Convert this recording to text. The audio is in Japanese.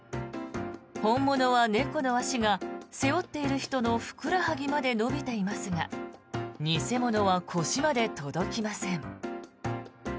本物は猫の足が背負っている人のふくらはぎまで伸びていますが偽物は腰まで届きません。